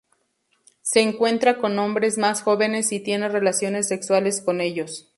Se encuentra con hombres más jóvenes y tiene relaciones sexuales con ellos.